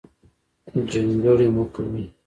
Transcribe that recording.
جنګرې مۀ کوئ